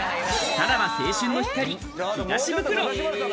さらば青春の光・東ブクロ。